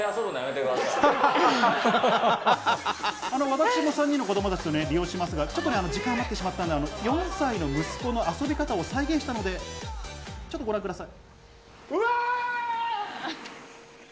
私も３人の子供たちと利用しますが、ちょっとしか時間がなかったですが、４歳の息子の遊び方を再現したのでご覧ください。